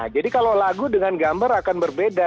kalau lagu dengan gambar akan berbeda